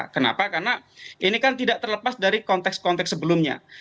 kenapa karena ini kan tidak terlepas dari konteks konteks sebelumnya